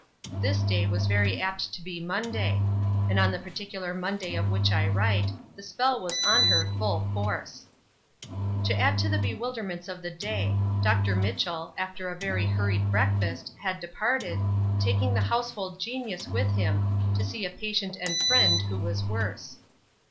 This day was very apt to be Monday; and on the particular Monday of which I write, the spell was on her in full force. To add to the bewilderments of the day, Dr. Mitchell, after a very hurried breakfast, had departed, taking the household genius with him, to see a patient and friend, who was worse.